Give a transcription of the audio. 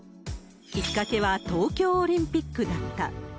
きっかけは東京オリンピックだった。